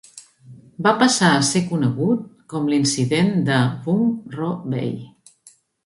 Va passar a ser conegut com l'incident de Vung Ro Bay.